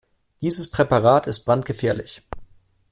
Dieses Präparat ist brandgefährlich.